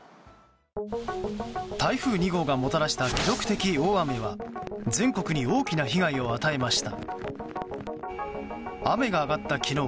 台風２号がもたらした記録的大雨は全国に大きな被害を与えました。